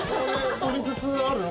取説あるの？